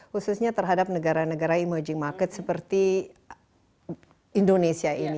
khususnya terhadap negara negara emerging market seperti indonesia ini